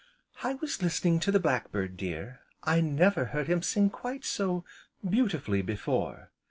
"I was listening to the Black bird, dear, I never heard him sing quite so beautifully, before."